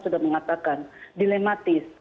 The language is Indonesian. sudah mengatakan dilematis